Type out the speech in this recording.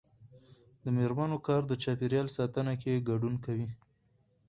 د میرمنو کار د چاپیریال ساتنه کې ګډون کوي.